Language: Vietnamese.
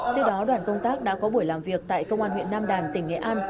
trước đó đoàn công tác đã có buổi làm việc tại công an huyện nam đàn tỉnh nghệ an